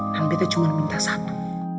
dan beta cuma minta satu